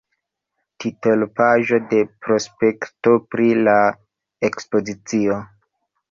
Titolpaĝo de prospekto pri la ekspozicio.